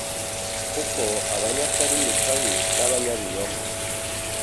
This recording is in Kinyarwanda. Kuko abanyakarimi kabi n’abanyabinyoma